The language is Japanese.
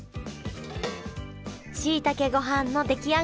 しいたけごはんの出来上がりやりました